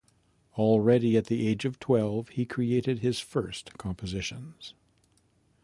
Already at the age of twelve he created his first compositions.